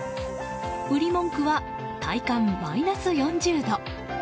売り文句は体感マイナス４０度。